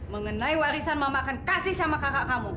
mengenai warisan mama akan kasih sama kakak kamu